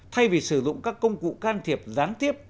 thay vì sử dụng các công cụ can thiệp gián tiếp